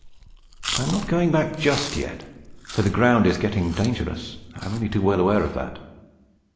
But I am not going back just yet, though the ground is getting dangerous. I am only too well aware of that.